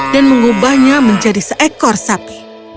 dan mengubahnya menjadi seekor sapi